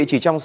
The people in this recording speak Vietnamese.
thưa quý vị